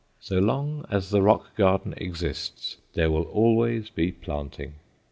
So long as the rock garden exists there will always be planting.